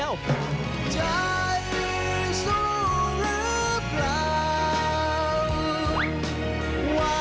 ใจสู้หรือเปล่า